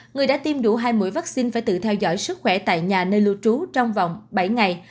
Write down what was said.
người đã tiêm đủ hai mũi vaccine phải tự theo dõi sức khỏe tại nhà nơi lưu trú trong vòng bảy ngày